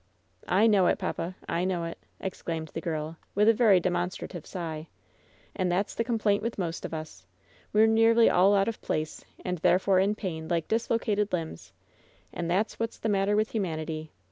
"I know it, papa. I know it!" exclaimed the girl, with a very demonstrative sigh. "And that's the com plaint with most of us. We're nearly all out of place, and therefore in pain, like dislocated limbs. And that's what's the matter with humanity.